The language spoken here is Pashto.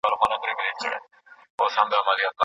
هر هيواد د اقتصادي ودي لپاره ځانګړي پلانونه لري.